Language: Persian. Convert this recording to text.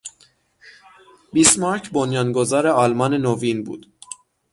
بیسمارک بنیانگزار آلمان نوین بود.